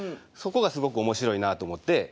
そこがすごく面白いなと思って。